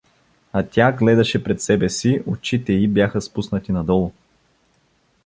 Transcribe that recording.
А тя гледаше пред себе си, очите и бяха спуснати надолу.